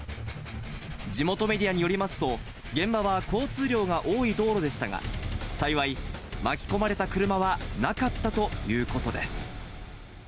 地元メディアによりますと、現場は交通量が多い道路でしたが、幸い、巻き込まれた車はなかったということです。